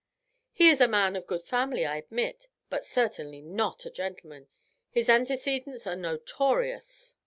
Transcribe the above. "He is a man of good family, I admit, but certainly not a gentleman; his antecedents are notorious."